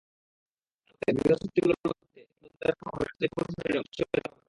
তাঁর মতে, বৃহৎ শক্তিগুলোর মধ্যকার এসব দ্বন্দ্বের প্রভাবে আঞ্চলিক পরিসরে অনিশ্চয়তা বাড়বে।